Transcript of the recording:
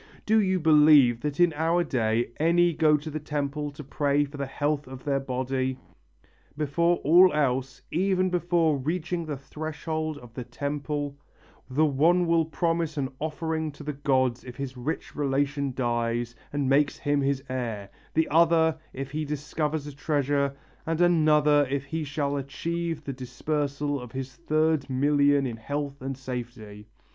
Do you believe that in our day any go to the temple to pray for the health of their body? Before all else, even before reaching the threshold of the temple, the one will promise an offering to the gods if his rich relation dies and makes him his heir, the other, if he discovers a treasure, and another if he shall achieve the dispersal of his third million in health and safety....